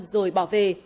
rồi bỏ về